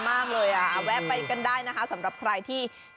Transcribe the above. มากเลยอ่ะแวะไปกันได้นะคะสำหรับใครที่